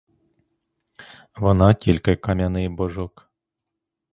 Вона тільки кам'яний божок.